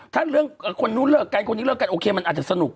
ถ้าเรื่องคนนู้นเลิกกันคนนี้เลิกกันโอเคมันอาจจะสนุก